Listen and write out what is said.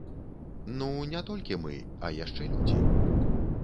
Ну, не толькі мы, а яшчэ людзі.